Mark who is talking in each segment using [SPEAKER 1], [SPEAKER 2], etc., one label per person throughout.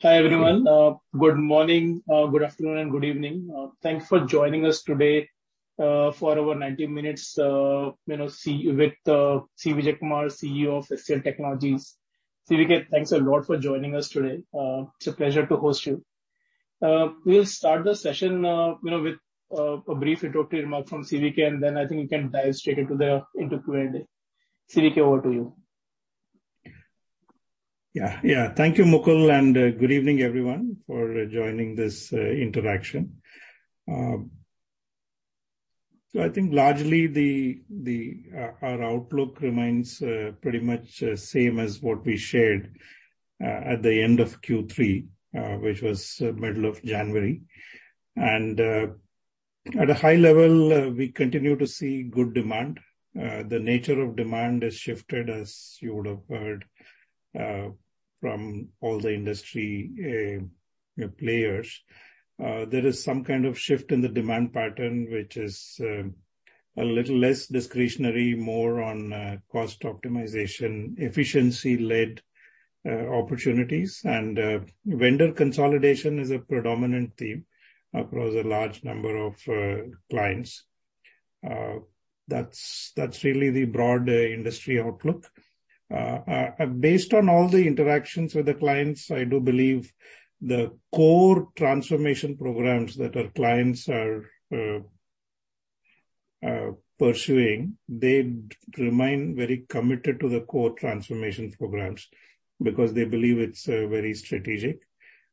[SPEAKER 1] Hi everyone. Good morning, good afternoon, and good evening. Thanks for joining us today for our 90 minutes with C Vijayakumar, CEO of HCL Technologies. CVK, thanks a lot for joining us today. It's a pleasure to host you. We'll start the session with a brief introductory remark from CVK, and then I think we can dive straight into Q&A. CVK, over to you.
[SPEAKER 2] Yeah, yeah. Thank you, Mukul, and good evening, everyone, for joining this interaction. I think largely our outlook remains pretty much the same as what we shared at the end of Q3, which was middle of January. At a high level, we continue to see good demand. The nature of demand has shifted, as you would have heard from all the industry players. There is some kind of shift in the demand pattern, which is a little less discretionary, more on cost optimization, efficiency-led opportunities. Vendor consolidation is a predominant theme across a large number of clients. That is really the broad industry outlook. Based on all the interactions with the clients, I do believe the core transformation programs that our clients are pursuing, they remain very committed to the core transformation programs because they believe it is very strategic.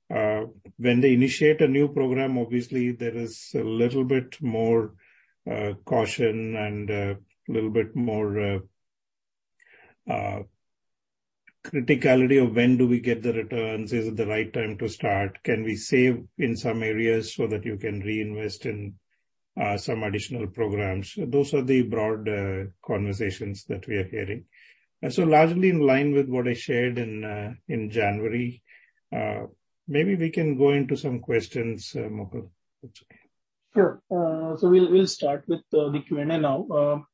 [SPEAKER 2] When they initiate a new program, obviously, there is a little bit more caution and a little bit more criticality of when do we get the returns, is it the right time to start, can we save in some areas so that you can reinvest in some additional programs. Those are the broad conversations that we are hearing. Largely in line with what I shared in January, maybe we can go into some questions, Mukul.
[SPEAKER 1] Sure. We will start with the Q&A now.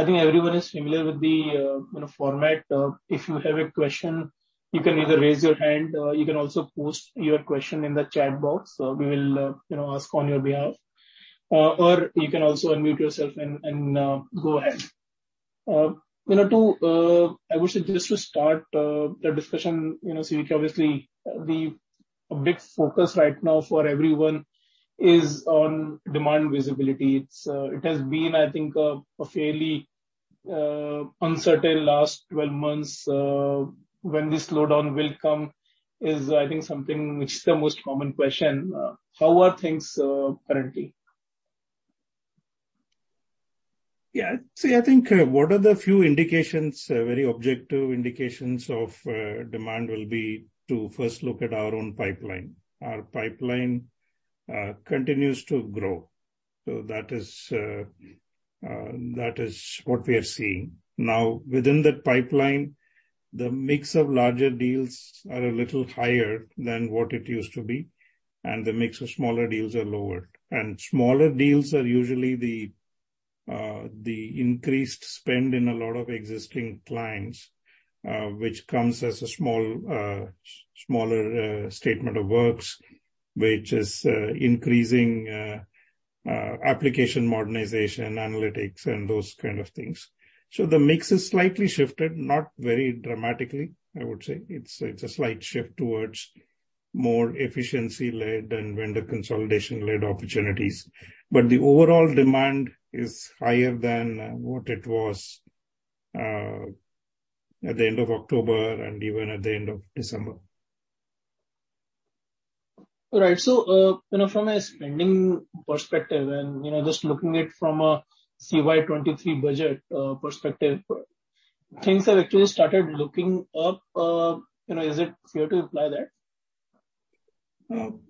[SPEAKER 1] I think everyone is familiar with the format. If you have a question, you can either raise your hand. You can also post your question in the chat box. We will ask on your behalf. You can also unmute yourself and go ahead. I would suggest to start the discussion. Obviously, the big focus right now for everyone is on demand visibility. It has been, I think, a fairly uncertain last 12 months. When this slowdown will come is, I think, something which is the most common question. How are things currently?
[SPEAKER 2] Yeah. See, I think one of the few indications, very objective indications of demand will be to first look at our own pipeline. Our pipeline continues to grow. That is what we are seeing. Now, within that pipeline, the mix of larger deals are a little higher than what it used to be, and the mix of smaller deals are lower. Smaller deals are usually the increased spend in a lot of existing clients, which comes as a smaller statement of works, which is increasing application modernization, analytics, and those kinds of things. The mix is slightly shifted, not very dramatically, I would say. It is a slight shift towards more efficiency-led and vendor consolidation-led opportunities. The overall demand is higher than what it was at the end of October and even at the end of December.
[SPEAKER 1] Right. So from a spending perspective and just looking at it from a CY 2023 budget perspective, things have actually started looking up. Is it fair to imply that?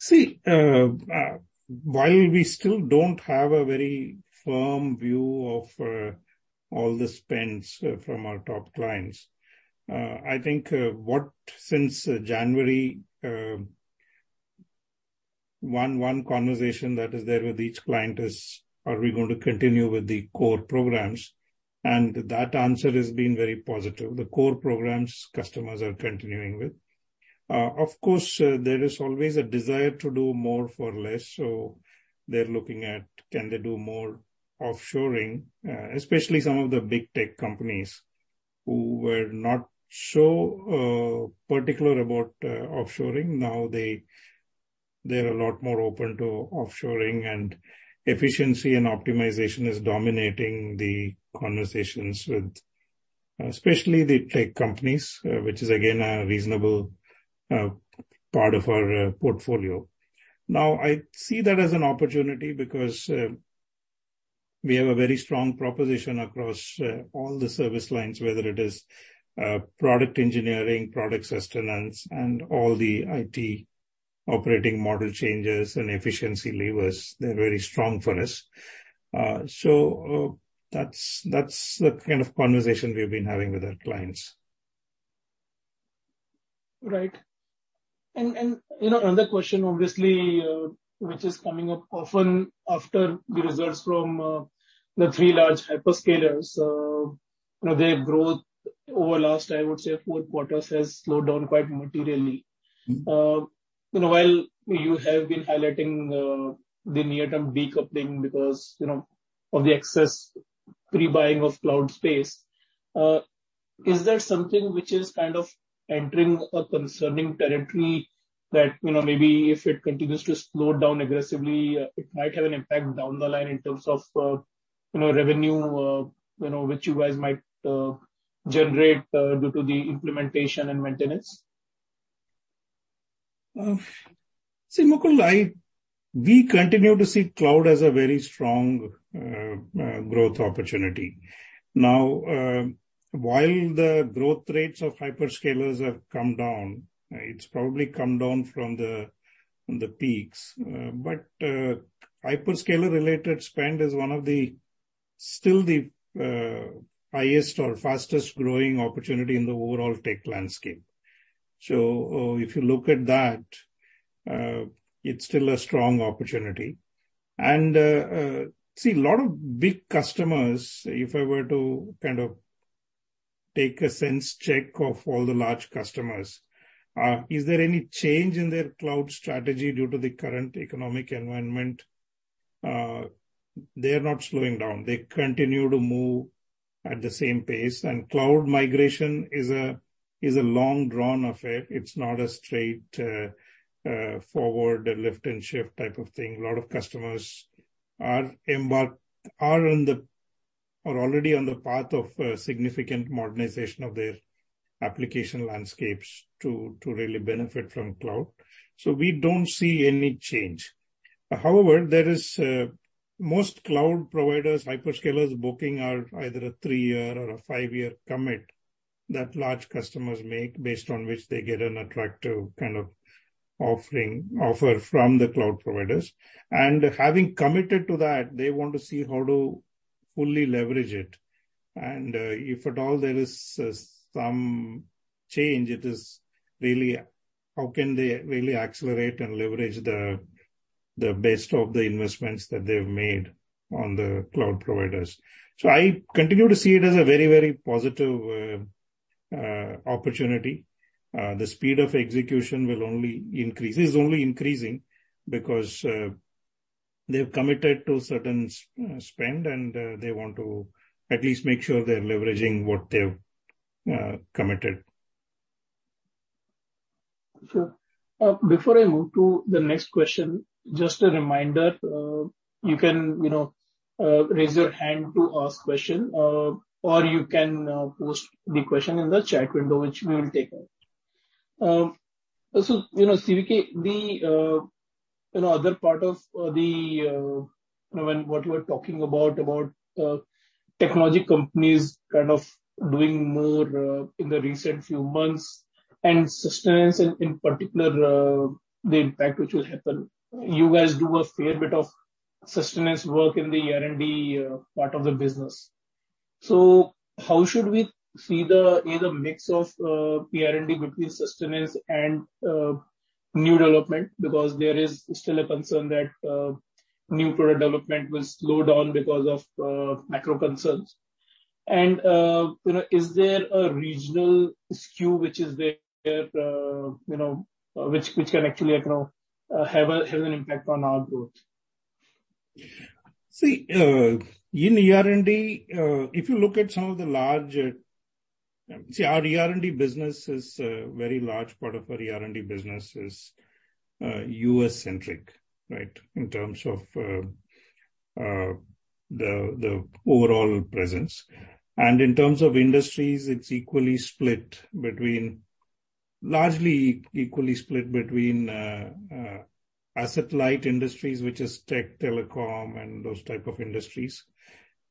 [SPEAKER 2] See, while we still do not have a very firm view of all the spends from our top clients, I think since January, one conversation that is there with each client is, are we going to continue with the core programs? That answer has been very positive. The core programs customers are continuing with. Of course, there is always a desire to do more for less. They are looking at, can they do more offshoring, especially some of the big tech companies who were not so particular about offshoring. Now they are a lot more open to offshoring, and efficiency and optimization is dominating the conversations with especially the tech companies, which is, again, a reasonable part of our portfolio. Now, I see that as an opportunity because we have a very strong proposition across all the service lines, whether it is product engineering, product sustenance, and all the IT operating model changes and efficiency levers. They are very strong for us. That is the kind of conversation we have been having with our clients.
[SPEAKER 1] Right. Another question, obviously, which is coming up often after the results from the three large hyperscalers, their growth over the last, I would say, four quarters has slowed down quite materially. While you have been highlighting the near-term decoupling because of the excess prebuying of cloud space, is that something which is kind of entering a concerning territory that maybe if it continues to slow down aggressively, it might have an impact down the line in terms of revenue, which you guys might generate due to the implementation and maintenance?
[SPEAKER 2] See, Mukul, we continue to see cloud as a very strong growth opportunity. Now, while the growth rates of hyperscalers have come down, it's probably come down from the peaks. Hyperscaler-related spend is still the highest or fastest growing opportunity in the overall tech landscape. If you look at that, it's still a strong opportunity. A lot of big customers, if I were to kind of take a sense check of all the large customers, is there any change in their cloud strategy due to the current economic environment? They are not slowing down. They continue to move at the same pace. Cloud migration is a long drawn affair. It's not a straightforward lift and shift type of thing. A lot of customers are already on the path of significant modernization of their application landscapes to really benefit from cloud. We do not see any change. However, most cloud providers, hyperscalers booking are either a three-year or a five-year commit that large customers make based on which they get an attractive kind of offer from the cloud providers. Having committed to that, they want to see how to fully leverage it. If at all there is some change, it is really how can they really accelerate and leverage the best of the investments that they have made on the cloud providers. I continue to see it as a very, very positive opportunity. The speed of execution is only increasing because they have committed to certain spend, and they want to at least make sure they are leveraging what they have committed.
[SPEAKER 1] Sure. Before I move to the next question, just a reminder, you can raise your hand to ask a question, or you can post the question in the chat window, which we will take note. CVK, the other part of what you were talking about, about technology companies kind of doing more in the recent few months and sustenance, and in particular, the impact which will happen. You guys do a fair bit of sustenance work in the R&D part of the business. How should we see the mix of R&D between sustenance and new development? Because there is still a concern that new product development will slow down because of macro concerns. Is there a regional SKU which is there, which can actually have an impact on our growth?
[SPEAKER 2] See, in R&D, if you look at some of the large, our R&D business is a very large part of our ER&D business, is U.S.-centric, right, in terms of the overall presence. In terms of industries, it's largely equally split between asset-light industries, which is tech, telecom, and those types of industries,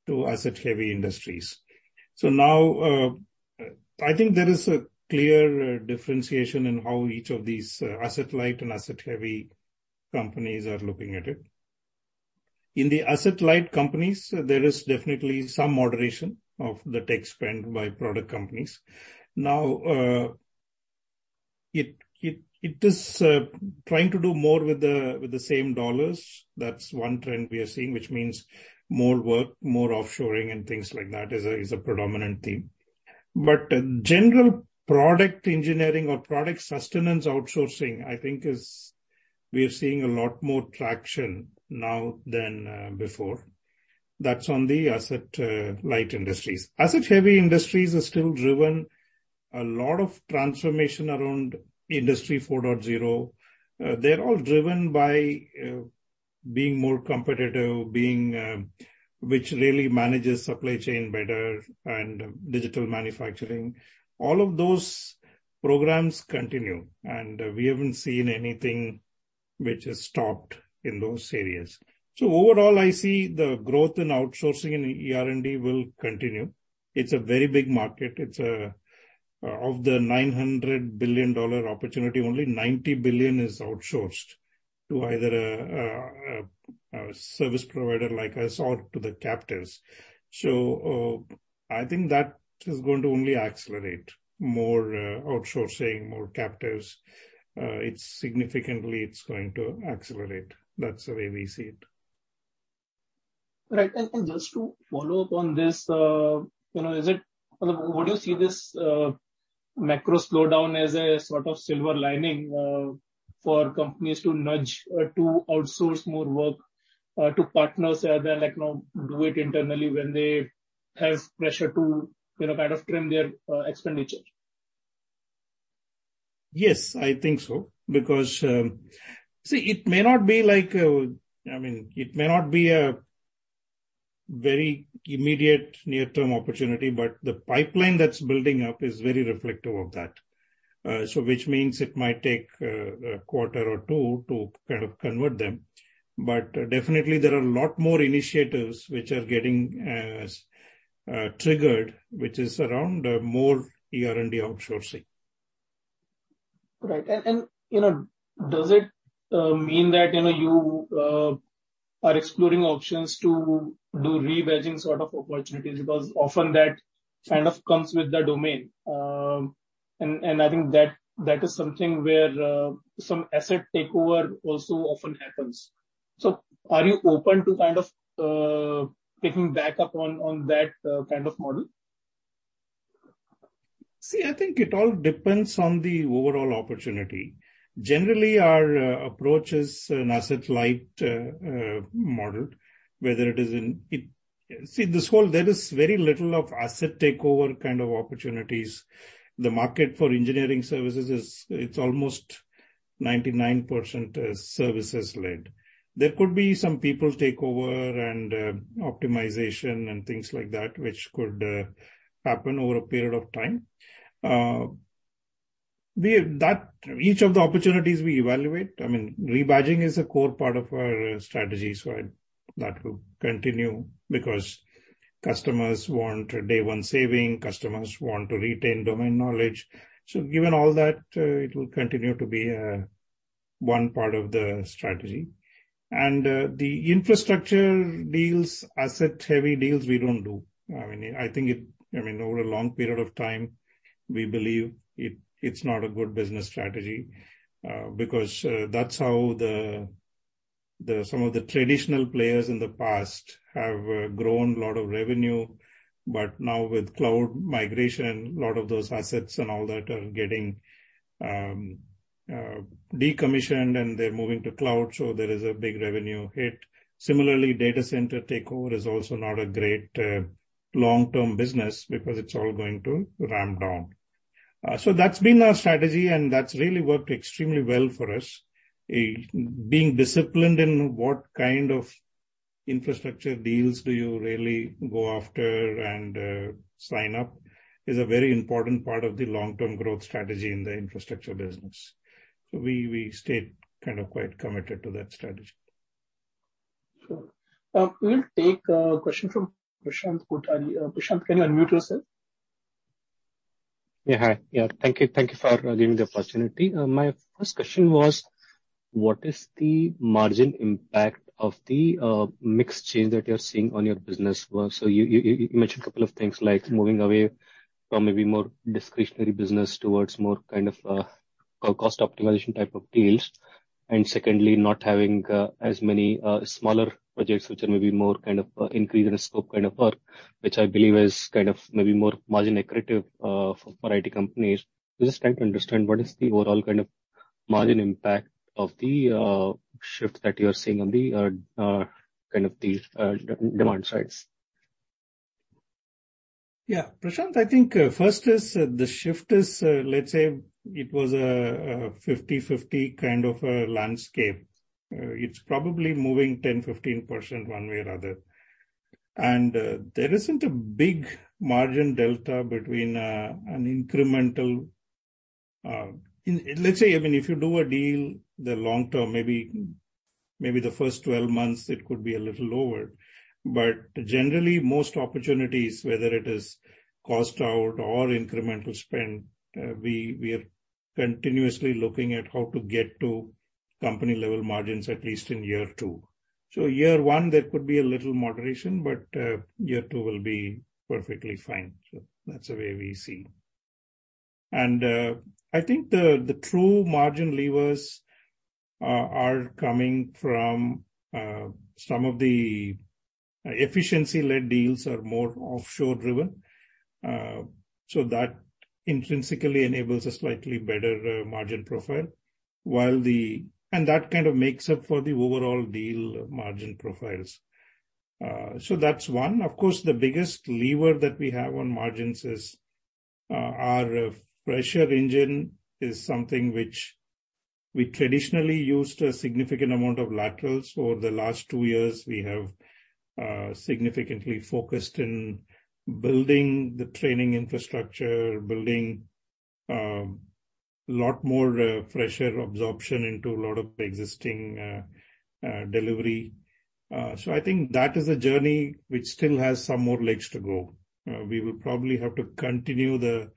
[SPEAKER 2] to asset-heavy industries. I think there is a clear differentiation in how each of these asset-light and asset-heavy companies are looking at it. In the asset-light companies, there is definitely some moderation of the tech spend by product companies. Now, it is trying to do more with the same dollars. That's one trend we are seeing, which means more work, more offshoring, and things like that is a predominant theme. General product engineering or product sustenance outsourcing, I think we are seeing a lot more traction now than before. That's on the asset-light industries. Asset-heavy industries are still driven a lot of transformation around Industry 4.0. They are all driven by being more competitive, which really manages supply chain better, and digital manufacturing. All of those programs continue. We have not seen anything which has stopped in those areas. Overall, I see the growth in outsourcing in R&D will continue. It's a very big market. Of the $900 billion opportunity, only $90 billion is outsourced to either a service provider like us or to the captives. I think that is going to only accelerate more outsourcing, more captives. Significantly, it's going to accelerate. That's the way we see it.
[SPEAKER 1] Right. Just to follow up on this, is it what do you see this macro slowdown as a sort of silver lining for companies to nudge to outsource more work to partners rather than do it internally when they have pressure to kind of trim their expenditure?
[SPEAKER 2] Yes, I think so. Because see, it may not be like, I mean, it may not be a very immediate near-term opportunity, but the pipeline that's building up is very reflective of that, which means it might take a quarter or two to kind of convert them. Definitely, there are a lot more initiatives which are getting triggered, which is around more R&D outsourcing.
[SPEAKER 1] Right. Does it mean that you are exploring options to do rebadging sort of opportunities? Because often that kind of comes with the domain. I think that is something where some asset takeover also often happens. Are you open to kind of picking back up on that kind of model?
[SPEAKER 2] See, I think it all depends on the overall opportunity. Generally, our approach is an asset-light model, whether it is in, see, this whole, there is very little of asset takeover kind of opportunities. The market for engineering services, it's almost 99% services-led. There could be some people takeover and optimization and things like that, which could happen over a period of time. Each of the opportunities we evaluate, I mean, rebadging is a core part of our strategy, so that will continue because customers want day-one saving. Customers want to retain domain knowledge. Given all that, it will continue to be one part of the strategy. The infrastructure deals, asset-heavy deals, we do not do. I mean, I think it, I mean, over a long period of time, we believe it's not a good business strategy because that's how some of the traditional players in the past have grown a lot of revenue. Now, with cloud migration, a lot of those assets and all that are getting decommissioned, and they're moving to cloud, so there is a big revenue hit. Similarly, data center takeover is also not a great long-term business because it's all going to ramp down. That's been our strategy, and that's really worked extremely well for us. Being disciplined in what kind of infrastructure deals do you really go after and sign up is a very important part of the long-term growth strategy in the infrastructure business. We stayed kind of quite committed to that strategy.
[SPEAKER 1] Sure. We'll take a question from Prashanth Guttari. Prashanth, can you unmute yourself? Yeah. Hi. Yeah. Thank you for giving me the opportunity. My first question was, what is the margin impact of the mixed change that you're seeing on your business? You mentioned a couple of things like moving away from maybe more discretionary business towards more kind of cost optimization type of deals. Secondly, not having as many smaller projects, which are maybe more kind of increase in scope kind of work, which I believe is kind of maybe more margin-accretive for IT companies. We're just trying to understand what is the overall kind of margin impact of the shift that you're seeing on the kind of the demand sides.
[SPEAKER 2] Yeah. Prashanth, I think first is the shift is, let's say, it was a 50/50 kind of landscape. It's probably moving 10%-15% one way or other. There isn't a big margin delta between an incremental, let's say, I mean, if you do a deal the long term, maybe the first 12 months, it could be a little lower. Generally, most opportunities, whether it is cost out or incremental spend, we are continuously looking at how to get to company-level margins, at least in year two. Year one, there could be a little moderation, but year two will be perfectly fine. That's the way we see. I think the true margin levers are coming from some of the efficiency-led deals are more offshore-driven. That intrinsically enables a slightly better margin profile. That kind of makes up for the overall deal margin profiles. That's one. Of course, the biggest lever that we have on margins is our fresher engine, is something which we traditionally used a significant amount of laterals. Over the last two years, we have significantly focused in building the training infrastructure, building a lot more fresher absorption into a lot of existing delivery. I think that is a journey which still has some more legs to go. We will probably have to continue the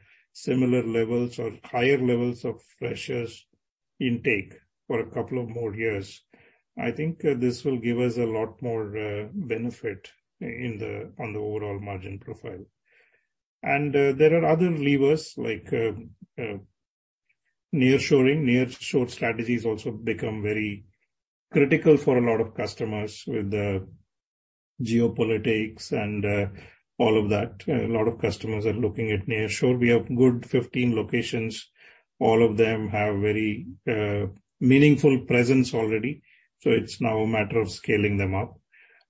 [SPEAKER 2] similar levels or higher levels of freshers intake for a couple of more years. I think this will give us a lot more benefit on the overall margin profile. There are other levers like nearshoring. Nearshore strategies also become very critical for a lot of customers with the geopolitics and all of that. A lot of customers are looking at nearshore. We have good 15 locations. All of them have very meaningful presence already. It is now a matter of scaling them up.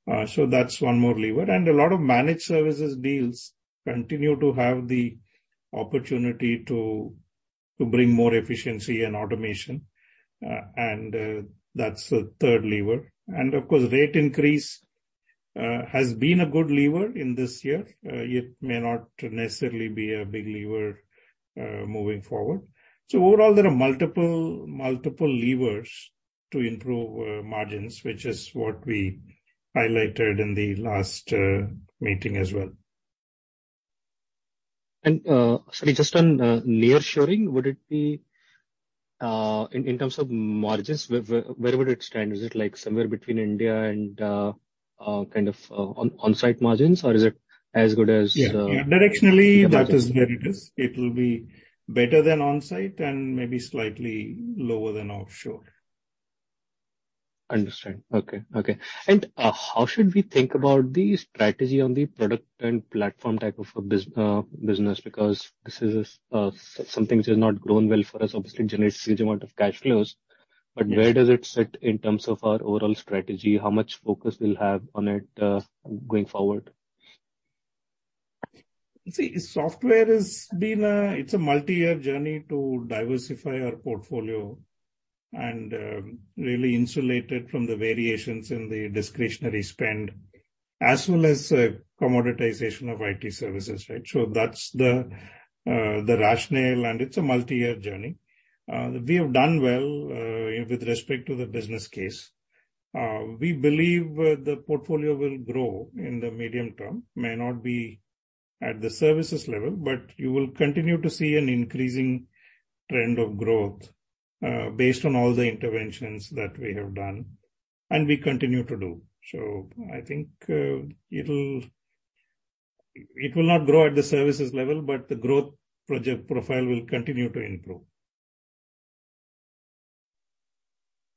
[SPEAKER 2] That is one more lever. A lot of managed services deals continue to have the opportunity to bring more efficiency and automation. That is the third lever. Of course, rate increase has been a good lever in this year. It may not necessarily be a big lever moving forward. Overall, there are multiple levers to improve margins, which is what we highlighted in the last meeting as well. Sorry, just on nearshoring, would it be in terms of margins, where would it stand? Is it like somewhere between India and kind of onsite margins, or is it as good as? Yeah. Directionally, that is where it is. It will be better than onsite and maybe slightly lower than offshore. Understood. Okay. Okay. How should we think about the strategy on the product and platform type of business? Because this is something which has not grown well for us. Obviously, it generates a huge amount of cash flows. Where does it sit in terms of our overall strategy? How much focus will have on it going forward? See, software has been a, it's a multi-year journey to diversify our portfolio and really insulate it from the variations in the discretionary spend as well as commoditization of IT services, right? That's the rationale. It's a multi-year journey. We have done well with respect to the business case. We believe the portfolio will grow in the medium term. It may not be at the services level, but you will continue to see an increasing trend of growth based on all the interventions that we have done and we continue to do. I think it will not grow at the services level, but the growth project profile will continue to improve.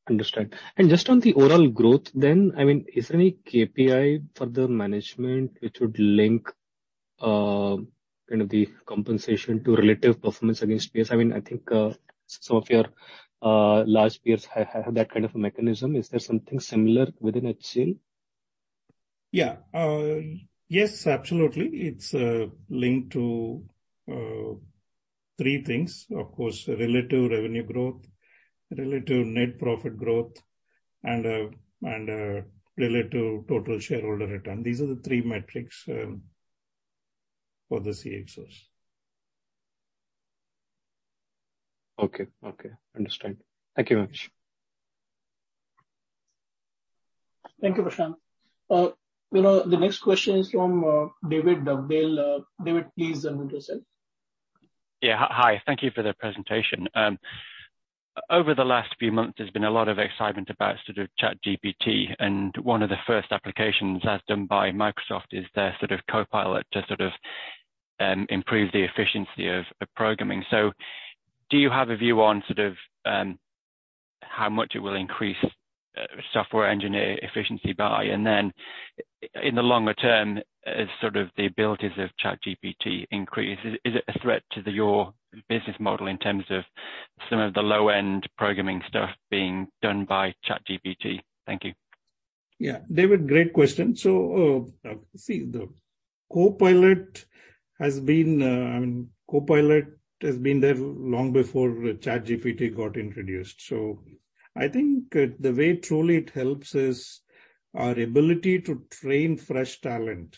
[SPEAKER 2] Understood. Just on the overall growth then, I mean, is there any KPI for the management which would link kind of the compensation to relative performance against peers? I mean, I think some of your large peers have that kind of mechanism. Is there something similar within HCLTech? Yeah. Yes, absolutely. It's linked to three things. Of course, relative revenue growth, relative net profit growth, and relative total shareholder return. These are the three metrics for the CXOs. Okay. Okay. Understood. Thank you very much.
[SPEAKER 1] Thank you, Prashanth. The next question is from David Dugdale. David, please unmute yourself. Yeah. Hi. Thank you for the presentation. Over the last few months, there's been a lot of excitement about sort of ChatGPT. One of the first applications that's done by Microsoft is their sort of Copilot to sort of improve the efficiency of programming. Do you have a view on sort of how much it will increase software engineer efficiency by? In the longer term, sort of the abilities of ChatGPT increase, is it a threat to your business model in terms of some of the low-end programming stuff being done by ChatGPT? Thank you.
[SPEAKER 2] Yeah. David, great question. See, the Copilot has been, I mean, Copilot has been there long before ChatGPT got introduced. I think the way truly it helps is our ability to train fresh talent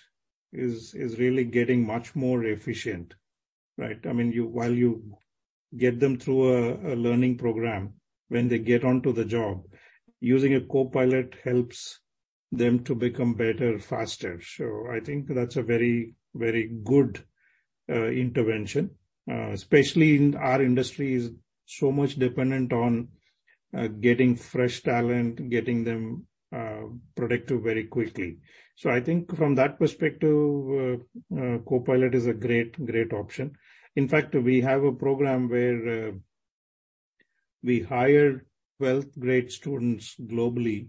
[SPEAKER 2] is really getting much more efficient, right? I mean, while you get them through a learning program, when they get onto the job, using a Copilot helps them to become better, faster. I think that's a very, very good intervention, especially in our industry is so much dependent on getting fresh talent, getting them productive very quickly. I think from that perspective, Copilot is a great, great option. In fact, we have a program where we hire 12th-grade students globally,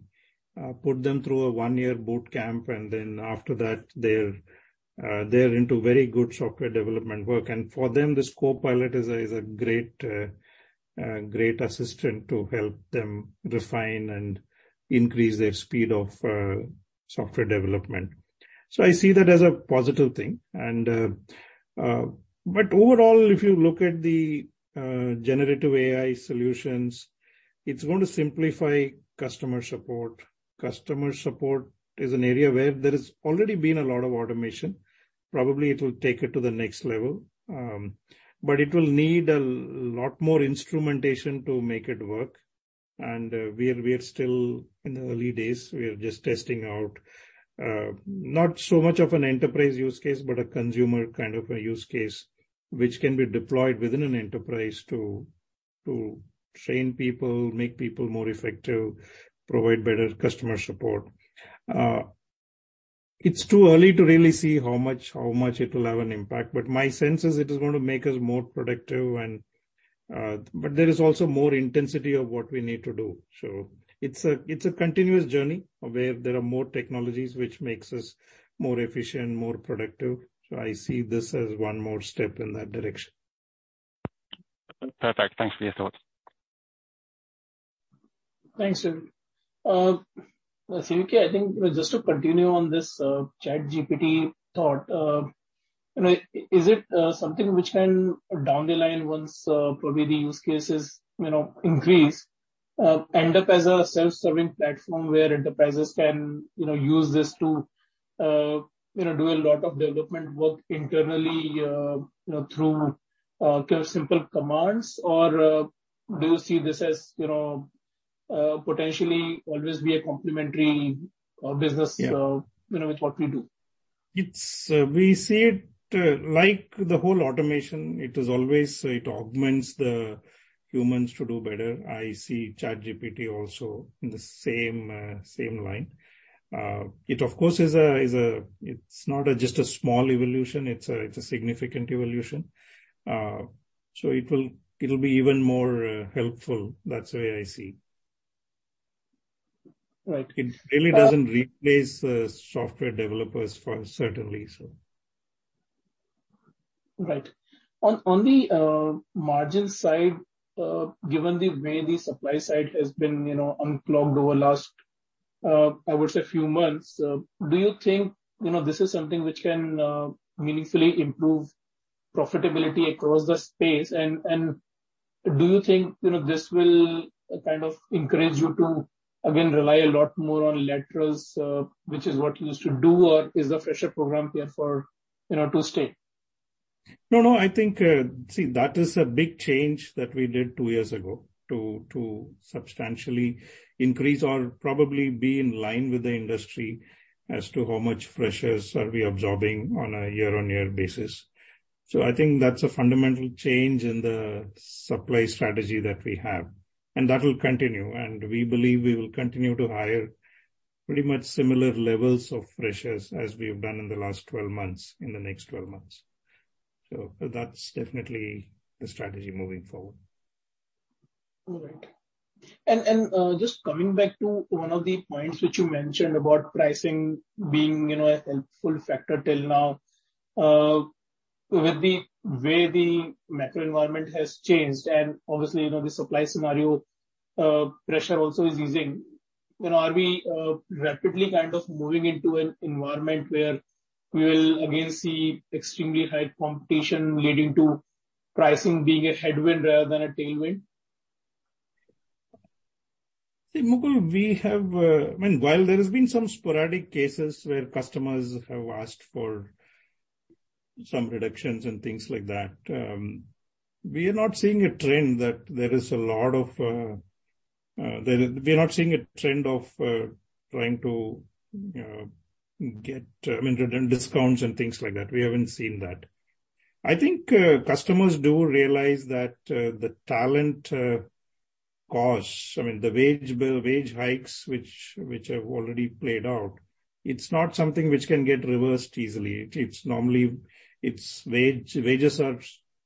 [SPEAKER 2] put them through a one-year boot camp, and then after that, they're into very good software development work. For them, this Copilot is a great assistant to help them refine and increase their speed of software development. I see that as a positive thing. Overall, if you look at the generative AI solutions, it is going to simplify customer support. Customer support is an area where there has already been a lot of automation. Probably it will take it to the next level. It will need a lot more instrumentation to make it work. We are still in the early days. We are just testing out not so much of an enterprise use case, but a consumer kind of a use case which can be deployed within an enterprise to train people, make people more effective, provide better customer support. It is too early to really see how much it will have an impact. My sense is it is going to make us more productive. There is also more intensity of what we need to do. It is a continuous journey where there are more technologies which make us more efficient, more productive. I see this as one more step in that direction. Perfect. Thanks for your thoughts.
[SPEAKER 1] Thanks, sir. CVK, I think just to continue on this ChatGPT thought, is it something which can down the line, once probably the use cases increase, end up as a self-serving platform where enterprises can use this to do a lot of development work internally through kind of simple commands? Or do you see this as potentially always be a complementary business with what we do?
[SPEAKER 2] We see it like the whole automation. It is always it augments the humans to do better. I see ChatGPT also in the same line. It, of course, is a it's not just a small evolution. It's a significant evolution. It will be even more helpful. That's the way I see it. It really doesn't replace software developers, certainly, so.
[SPEAKER 1] Right. On the margin side, given the way the supply side has been unplugged over the last, I would say, few months, do you think this is something which can meaningfully improve profitability across the space? Do you think this will kind of encourage you to, again, rely a lot more on laterals, which is what you used to do, or is the fresher program here to stay?
[SPEAKER 2] No, no. I think, see, that is a big change that we did two years ago to substantially increase or probably be in line with the industry as to how much freshers are we absorbing on a year-on-year basis. I think that's a fundamental change in the supply strategy that we have. That will continue. We believe we will continue to hire pretty much similar levels of freshers as we have done in the last 12 months, in the next 12 months. That's definitely the strategy moving forward.
[SPEAKER 1] All right. Just coming back to one of the points which you mentioned about pricing being a helpful factor till now, with the way the macro environment has changed, and obviously, the supply scenario pressure also is easing, are we rapidly kind of moving into an environment where we will again see extremely high competition leading to pricing being a headwind rather than a tailwind?
[SPEAKER 2] See, Mukul, we have, I mean, while there have been some sporadic cases where customers have asked for some reductions and things like that, we are not seeing a trend that there is a lot of, we are not seeing a trend of trying to get, I mean, discounts and things like that. We have not seen that. I think customers do realize that the talent costs, I mean, the wage hikes which have already played out, it is not something which can get reversed easily. Normally, wages are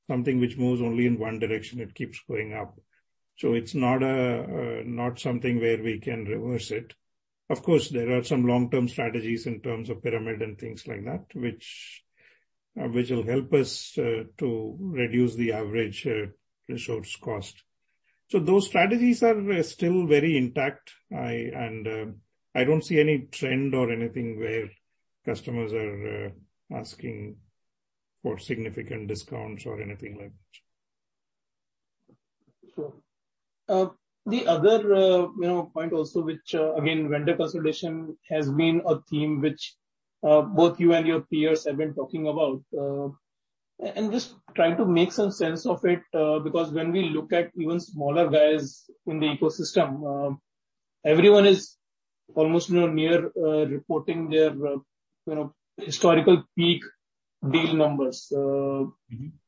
[SPEAKER 2] something which moves only in one direction. It keeps going up. It is not something where we can reverse it. Of course, there are some long-term strategies in terms of pyramid and things like that, which will help us to reduce the average resource cost. Those strategies are still very intact. I do not see any trend or anything where customers are asking for significant discounts or anything like that.
[SPEAKER 1] Sure. The other point also, which, again, vendor consolidation has been a theme which both you and your peers have been talking about. Just trying to make some sense of it, because when we look at even smaller guys in the ecosystem, everyone is almost near reporting their historical peak deal numbers.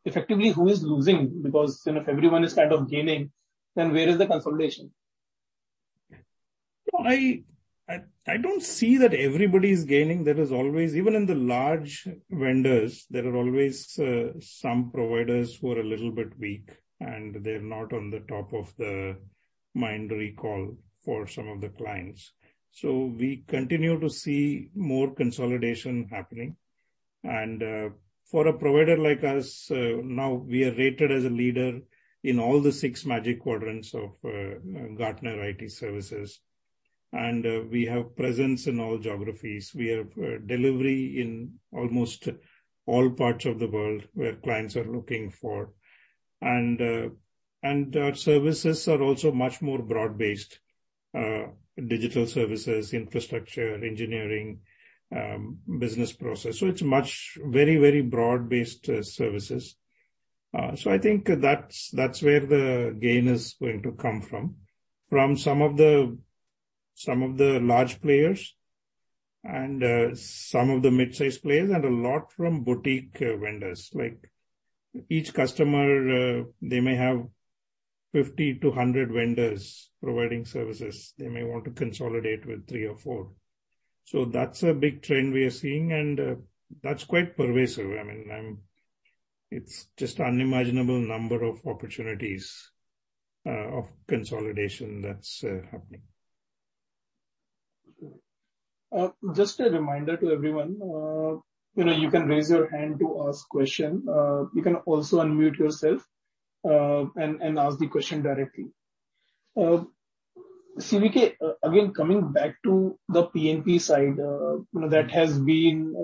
[SPEAKER 1] Effectively, who is losing? Because if everyone is kind of gaining, then where is the consolidation?
[SPEAKER 2] I don't see that everybody is gaining. There is always, even in the large vendors, there are always some providers who are a little bit weak, and they're not on the top of the mind recall for some of the clients. We continue to see more consolidation happening. For a provider like us, now we are rated as a leader in all the six Magic Quadrants of Gartner IT services. We have presence in all geographies. We have delivery in almost all parts of the world where clients are looking for. Our services are also much more broad-based: digital services, infrastructure, engineering, business process. It is very, very broad-based services. I think that's where the gain is going to come from, from some of the large players and some of the mid-sized players and a lot from boutique vendors. Each customer, they may have 50 to 100 vendors providing services. They may want to consolidate with three or four. That is a big trend we are seeing. I mean, it's just an unimaginable number of opportunities of consolidation that's happening.
[SPEAKER 1] Just a reminder to everyone, you can raise your hand to ask a question. You can also unmute yourself and ask the question directly. CVK, again, coming back to the P&P side, that has been,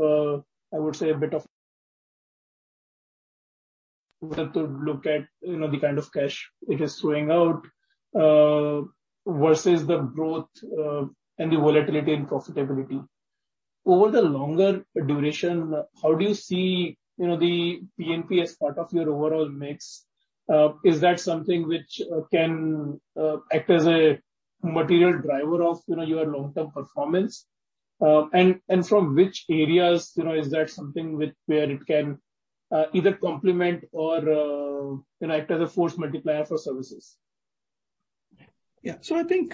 [SPEAKER 1] I would say, a bit of to look at the kind of cash it is throwing out versus the growth and the volatility and profitability. Over the longer duration, how do you see the P&P as part of your overall mix? Is that something which can act as a material driver of your long-term performance? From which areas is that something where it can either complement or act as a force multiplier for services?
[SPEAKER 2] Yeah. I think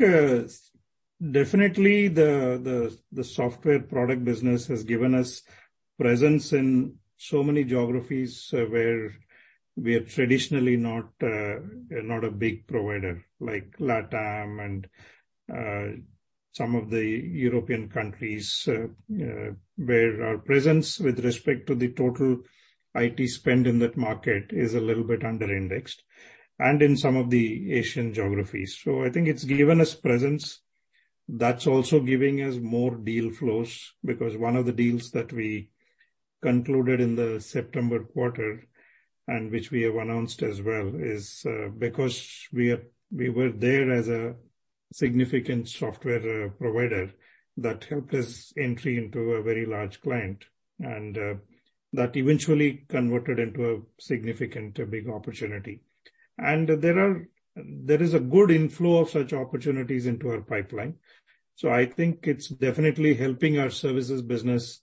[SPEAKER 2] definitely the software product business has given us presence in so many geographies where we are traditionally not a big provider, like LATAM and some of the European countries, where our presence with respect to the total IT spend in that market is a little bit under-indexed and in some of the Asian geographies. I think it's given us presence. That's also giving us more deal flows because one of the deals that we concluded in the September quarter and which we have announced as well is because we were there as a significant software provider that helped us entry into a very large client. That eventually converted into a significant big opportunity. There is a good inflow of such opportunities into our pipeline. I think it's definitely helping our services business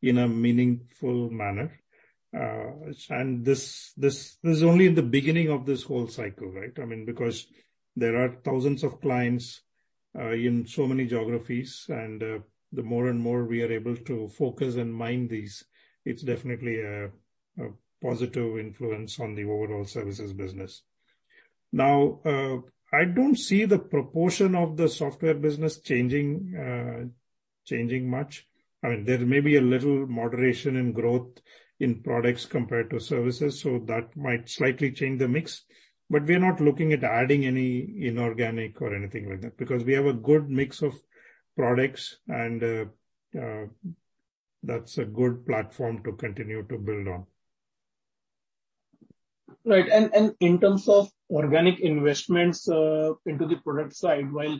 [SPEAKER 2] in a meaningful manner. This is only in the beginning of this whole cycle, right? I mean, because there are thousands of clients in so many geographies. The more and more we are able to focus and mind these, it's definitely a positive influence on the overall services business. Now, I don't see the proportion of the software business changing much. I mean, there may be a little moderation in growth in products compared to services. That might slightly change the mix. We are not looking at adding any inorganic or anything like that because we have a good mix of products, and that's a good platform to continue to build on.
[SPEAKER 1] Right. In terms of organic investments into the product side, while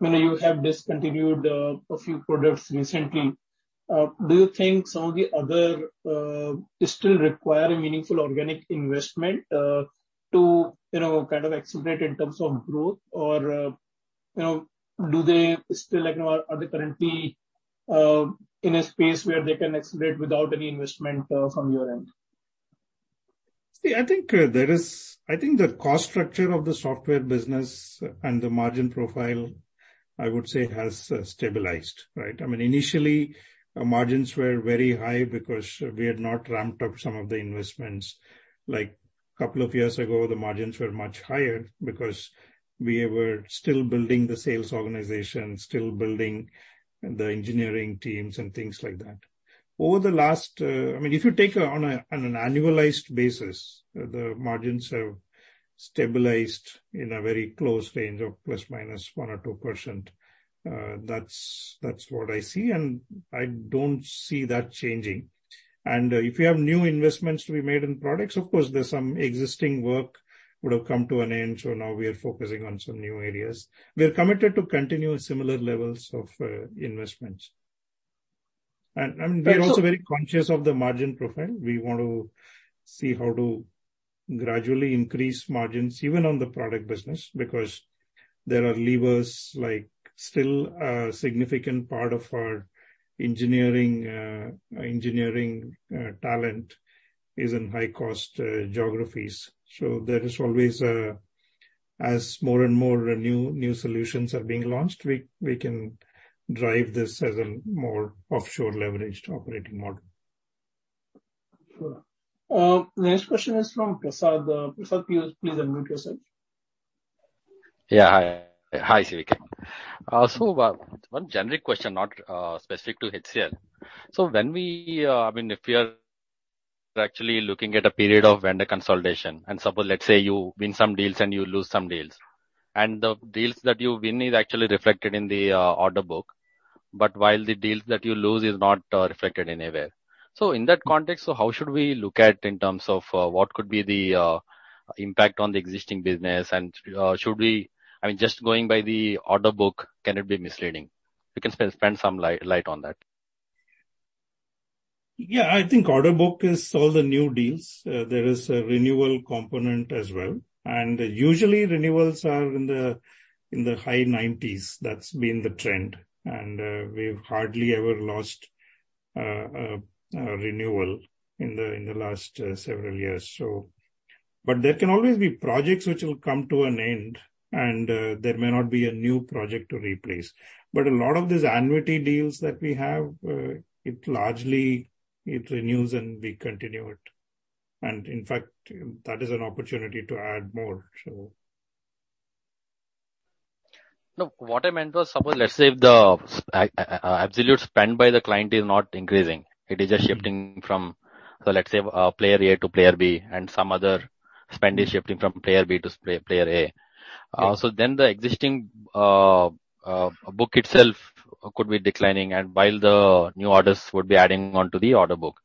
[SPEAKER 1] you have discontinued a few products recently, do you think some of the others still require a meaningful organic investment to kind of accelerate in terms of growth? Or do they still, are they currently in a space where they can accelerate without any investment from your end?
[SPEAKER 2] See, I think there is, I think the cost structure of the software business and the margin profile, I would say, has stabilized, right? I mean, initially, margins were very high because we had not ramped up some of the investments. Like a couple of years ago, the margins were much higher because we were still building the sales organization, still building the engineering teams and things like that. Over the last, I mean, if you take on an annualized basis, the margins have stabilized in a very close range of ±1 or 2%. That's what I see. I don't see that changing. If you have new investments to be made in products, of course, there's some existing work would have come to an end. Now we are focusing on some new areas. We are committed to continue similar levels of investments. I mean, we are also very conscious of the margin profile. We want to see how to gradually increase margins even on the product business because there are levers like still a significant part of our engineering talent is in high-cost geographies. There is always, as more and more new solutions are being launched, we can drive this as a more offshore leveraged operating model.
[SPEAKER 1] Sure. Next question is from Prasad. Prasad, please unmute yourself. Yeah. Hi, CVK. Also, one generic question, not specific to HCL. When we, I mean, if we are actually looking at a period of vendor consolidation, and suppose, let's say you win some deals and you lose some deals, and the deals that you win is actually reflected in the order book, but while the deals that you lose is not reflected anywhere. In that context, how should we look at in terms of what could be the impact on the existing business? Should we, I mean, just going by the order book, can it be misleading? You can spend some light on that.
[SPEAKER 2] Yeah. I think order book is all the new deals. There is a renewal component as well. Usually, renewals are in the high 90s. That's been the trend. We've hardly ever lost a renewal in the last several years. There can always be projects which will come to an end, and there may not be a new project to replace. A lot of these annuity deals that we have, it largely renews and we continue it. In fact, that is an opportunity to add more, so. What I meant was, suppose, let's say if the absolute spend by the client is not increasing, it is just shifting from, let's say, player A to player B, and some other spend is shifting from player B to player A. The existing book itself could be declining, while the new orders would be adding on to the order book.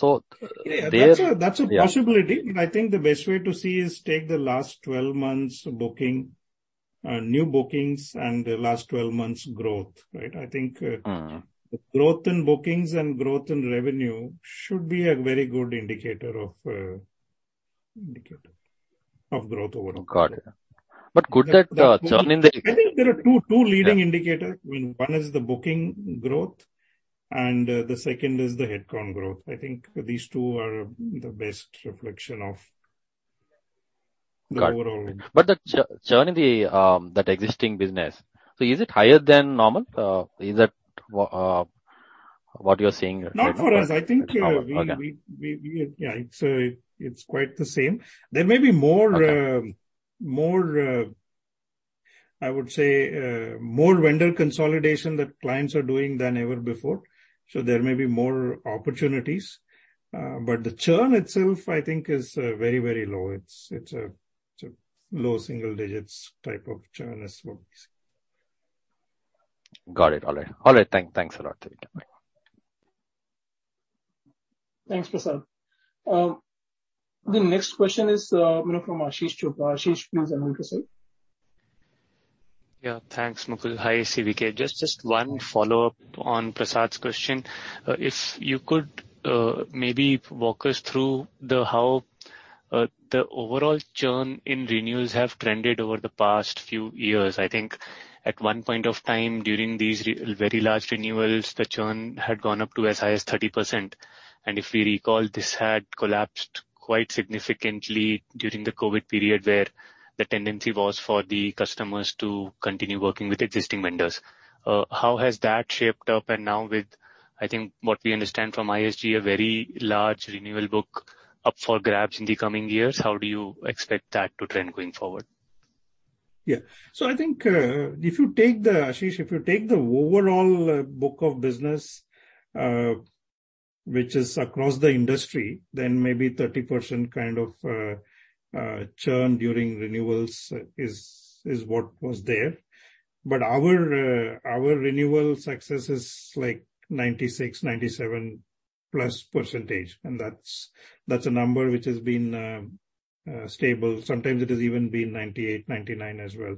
[SPEAKER 2] That's a possibility. I think the best way to see is take the last 12 months booking, new bookings, and the last 12 months growth, right? I think growth in bookings and growth in revenue should be a very good indicator of growth overall. Got it. Could that churn in the. I think there are two leading indicators. I mean, one is the booking growth, and the second is the headcount growth. I think these two are the best reflection of the overall. The churn in that existing business, so is it higher than normal? Is that what you're saying? Not for us. I think, yeah, it's quite the same. There may be more, I would say, more vendor consolidation that clients are doing than ever before. There may be more opportunities. The churn itself, I think, is very, very low. It's a low single digits type of churn as well. Got it. All right. All right. Thanks a lot, CVK.
[SPEAKER 1] Thanks, Prasad. The next question is from Ashish Chopra. Ashish, please unmute yourself. Yeah. Thanks, Mukul. Hi, CVK. Just one follow-up on Prasad's question. If you could maybe walk us through how the overall churn in renewals have trended over the past few years. I think at one point of time during these very large renewals, the churn had gone up to as high as 30%. If we recall, this had collapsed quite significantly during the COVID period where the tendency was for the customers to continue working with existing vendors. How has that shaped up? Now with, I think, what we understand from ISG, a very large renewal book up for grabs in the coming years, how do you expect that to trend going forward?
[SPEAKER 2] Yeah. I think if you take the, Ashish, if you take the overall book of business, which is across the industry, then maybe 30% kind of churn during renewals is what was there. Our renewal success is like 96%, 97%+. That is a number which has been stable. Sometimes it has even been 98%, 99% as well.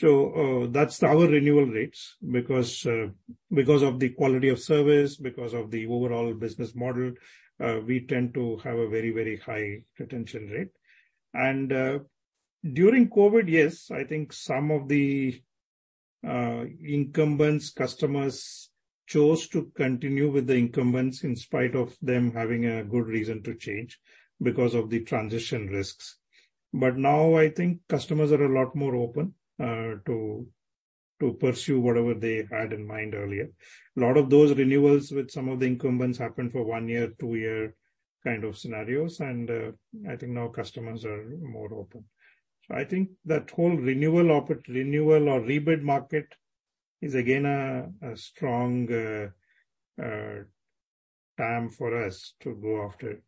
[SPEAKER 2] That is our renewal rates because of the quality of service, because of the overall business model. We tend to have a very, very high retention rate. During COVID, yes, I think some of the incumbents' customers chose to continue with the incumbents in spite of them having a good reason to change because of the transition risks. Now I think customers are a lot more open to pursue whatever they had in mind earlier. A lot of those renewals with some of the incumbents happened for one-year, two-year kind of scenarios. I think now customers are more open. I think that whole renewal or rebate market is again a strong time for us to go after.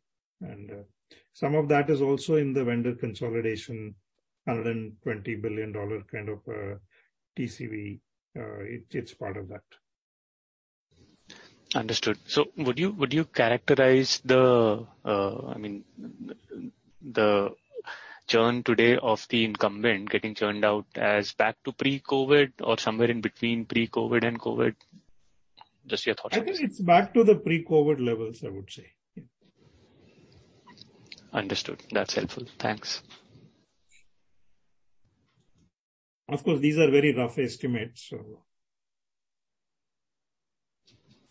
[SPEAKER 2] Some of that is also in the vendor consolidation, $120 billion kind of TCV. It's part of that. Understood. Would you characterize the, I mean, the churn today of the incumbent getting churned out as back to pre-COVID or somewhere in between pre-COVID and COVID? Just your thoughts. I think it's back to the pre-COVID levels, I would say. Understood. That's helpful. Thanks. Of course, these are very rough estimates.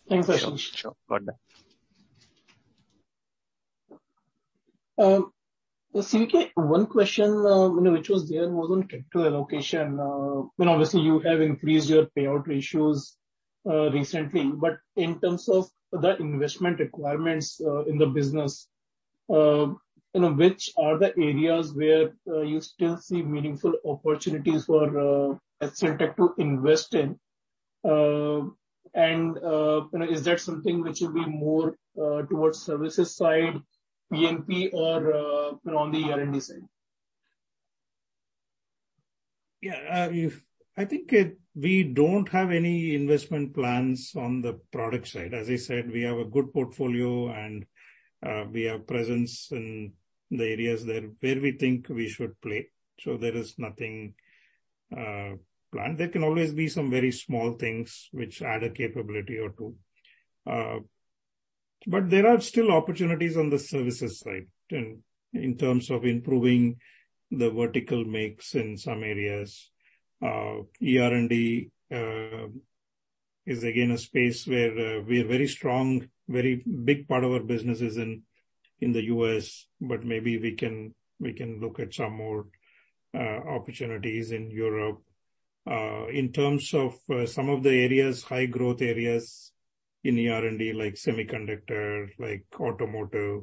[SPEAKER 1] Thanks, Ashish. Sure. Got that. CVK, one question which was there was on capital allocation. Obviously, you have increased your payout ratios recently. In terms of the investment requirements in the business, which are the areas where you still see meaningful opportunities for HCLTech to invest in? Is that something which will be more towards services side, P&P, or on the R&D side?
[SPEAKER 2] Yeah. I think we do not have any investment plans on the product side. As I said, we have a good portfolio, and we have presence in the areas where we think we should play. There is nothing planned. There can always be some very small things which add a capability or two. There are still opportunities on the services side in terms of improving the vertical mix in some areas. R&D is again a space where we are very strong. A very big part of our business is in the US, but maybe we can look at some more opportunities in Europe. In terms of some of the high-growth areas in R&D, like semiconductor, like automotive,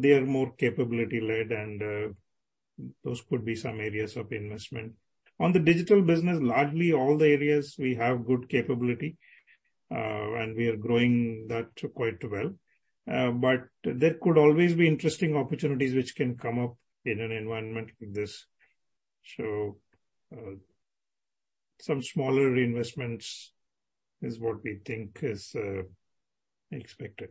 [SPEAKER 2] they are more capability-led, and those could be some areas of investment. On the digital business, largely all the areas we have good capability, and we are growing that quite well. There could always be interesting opportunities which can come up in an environment like this. Some smaller investments is what we think is expected.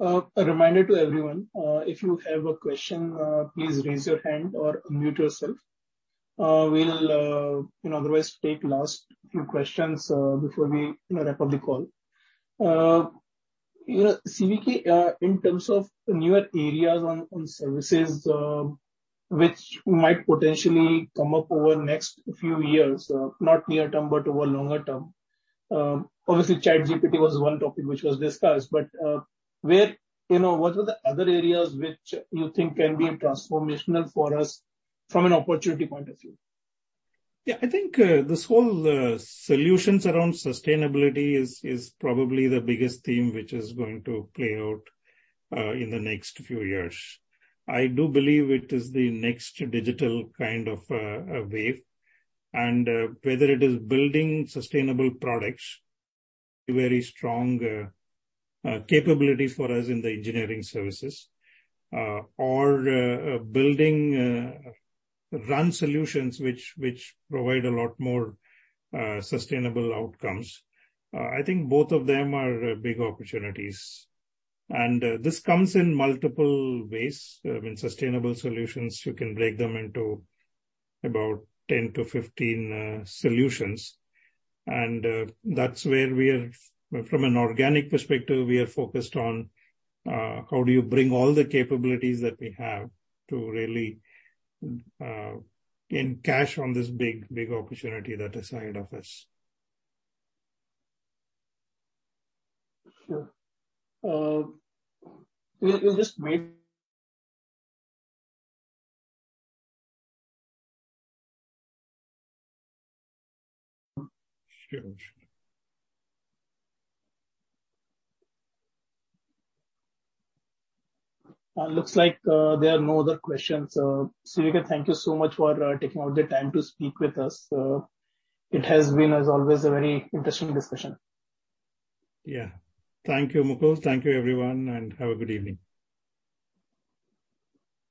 [SPEAKER 1] Sure. A reminder to everyone, if you have a question, please raise your hand or unmute yourself. We will otherwise take last few questions before we wrap up the call. CVK, in terms of newer areas on services which might potentially come up over the next few years, not near-term, but over longer term, obviously, ChatGPT was one topic which was discussed, but what were the other areas which you think can be transformational for us from an opportunity point of view?
[SPEAKER 2] Yeah. I think this whole solutions around sustainability is probably the biggest theme which is going to play out in the next few years. I do believe it is the next digital kind of wave. Whether it is building sustainable products, very strong capabilities for us in the engineering services, or building run solutions which provide a lot more sustainable outcomes, I think both of them are big opportunities. This comes in multiple ways. I mean, sustainable solutions, you can break them into about 10-15 solutions. That is where we are, from an organic perspective, we are focused on how do you bring all the capabilities that we have to really cash on this big opportunity that is ahead of us.
[SPEAKER 1] Sure. We'll just wait.
[SPEAKER 2] Sure.
[SPEAKER 1] Looks like there are no other questions. CVK, thank you so much for taking out the time to speak with us. It has been, as always, a very interesting discussion.
[SPEAKER 2] Yeah. Thank you, Mukul. Thank you, everyone, and have a good evening.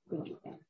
[SPEAKER 1] Thank you.